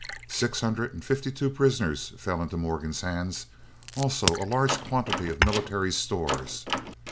Six hundred and fifty two prisoners fell into Morgan's hands, also a large quantity of military stores.